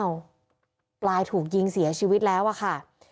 ปลายถูกยิงเสียชีวิตแล้วอะค่ะ